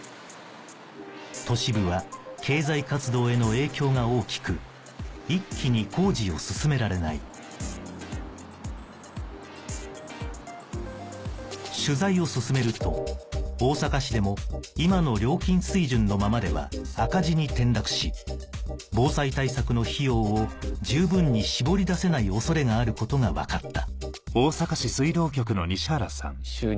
都市部は経済活動への影響が大きく一気に工事を進められない取材を進めると大阪市でも今の料金水準のままでは赤字に転落し防災対策の費用を十分に絞り出せない恐れがあることが分かった